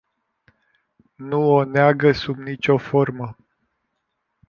Nu o neagă sub nicio formă.